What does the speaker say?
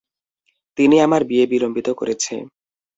তিনি আমার বিয়ে বিলম্বিত করেছে।